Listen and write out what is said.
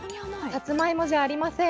さつまいもじゃありません。